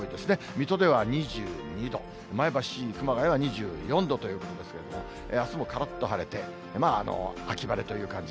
水戸では２２度、前橋、熊谷は２４度ということですけれども、あすもからっと晴れて、秋晴れという感じ。